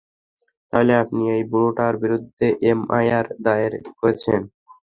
তাহলে আপনি এই বুড়োটার বিরুদ্ধে এফআইআর দায়ের করেছেন?